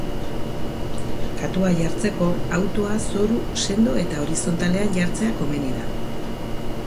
Katua jartzeko, autoa zoru sendo eta horizonatalean jartzea komeni da.